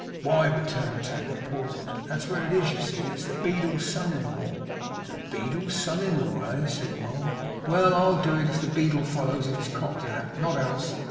'Why,' returned Tacker, pausing, 'that's where it is, you see. It's the beadle's son in law.' 'The beadle's son in law, eh?' said Mould. 'Well! I'll do it if the beadle follows in his cocked hat; not else.